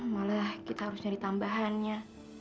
malah kita harus nyari tambahannya